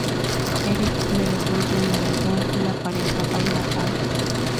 Erik le devuelve el medallón y la pareja baila vals.